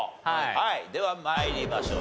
はいでは参りましょう。